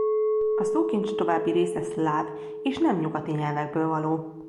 A szókincs további része szláv és nem nyugati nyelvekből való.